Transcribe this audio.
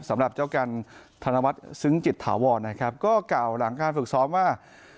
สำหรับเจ้ากันธนวัฒน์ซึ้งจิตถาวรนะครับก็กล่าวหลังการฝึกซ้อมว่า